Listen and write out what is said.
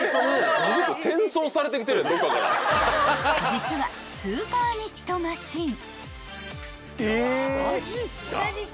［実はスーパーニットマシン］